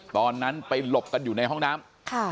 ตอนนั้นไปหลบกันอยู่ในห้องน้ำ